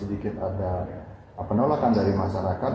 sedikit ada penolakan dari masyarakat